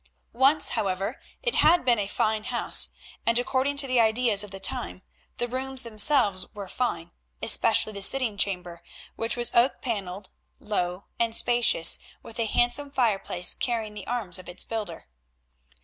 Once, however, it had been a fine house, and, according to the ideas of the time, the rooms themselves were fine, especially the sitting chamber, which was oak panelled, low, and spacious, with a handsome fireplace carrying the arms of its builder.